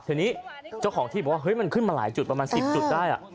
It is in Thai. ทีนี้เจ้าของที่บอกว่าเฮ้ยมันขึ้นมาหลายจุดประมาณ๑๐จุดได้